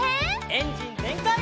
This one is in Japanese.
エンジンぜんかい！